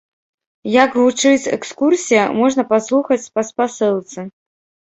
Як гучыць экскурсія, можна паслухаць па спасылцы.